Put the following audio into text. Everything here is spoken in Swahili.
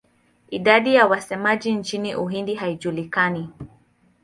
Idadi ya wasemaji nchini Uhindi haijulikani.